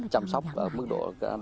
chăm sóc mức độ